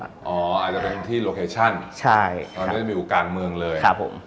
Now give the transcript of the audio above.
อาจจะเป็นที่โลเคชั่นใช่ตอนนี้อยู่กลางเมืองเลยครับผม